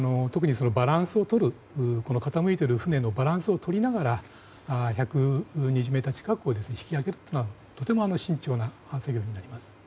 特に、傾いている船のバランスを取りながら１２０ｍ近く引き揚げるというのはとても慎重な制御になります。